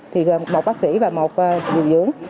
thì gồm một bác sĩ và một dù dưỡng